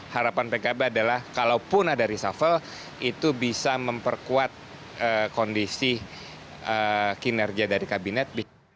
harapan pkb adalah kalaupun ada reshuffle itu bisa memperkuat kondisi kinerja dari kabinet